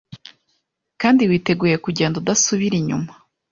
kandi witeguye kugenda udasubira inyuma